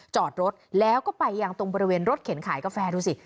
จอดรถแล้วก็ไปยังตรงบริเวณรถเข็นขายกาแฟดูสิ